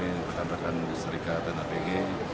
perekam perkam serikat dan apg